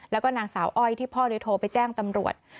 แล้วก็นางสาวอ้อยที่พ่อเลยโทรไปแจ้งตำรวจ